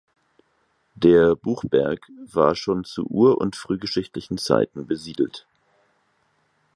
Der Buchberg war schon zu ur- und frühgeschichtlichen Zeiten besiedelt.